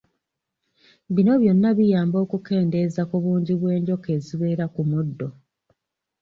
Bino byonna biyamba okukendeeza ku bungi bw’enjoka ezibeera ku muddo.